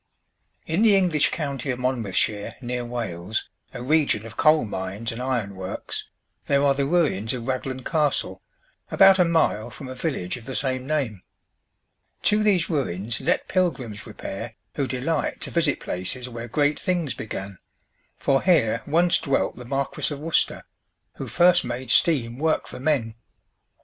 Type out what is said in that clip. In the English county of Monmouthshire, near Wales, a region of coal mines and iron works, there are the ruins of Raglan Castle, about a mile from a village of the same name. To these ruins let pilgrims repair who delight to visit places where great things began; for here once dwelt the Marquis of Worcester, who first made steam work for men.